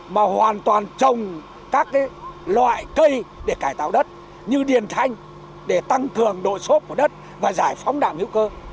mà hoàn toàn trồng các loại cây để cải tạo đất như điền thanh để tăng cường độ xốp của đất và giải phóng đạm hữu cơ